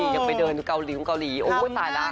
อย่าไปเดินกรุงเกาหลีโอ้ยตายแล้ว